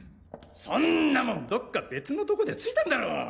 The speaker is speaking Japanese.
そんなもんどっか別のとこで付いたんだろ！